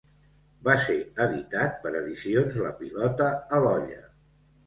Va ser editat per Edicions La Pilota a l'Olla.